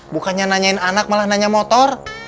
bukannya nanyain anak malah nanya motor